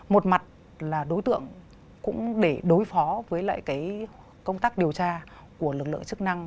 một mặt là đối tượng cũng để đối phó với lại công tác điều tra của lực lượng chức năng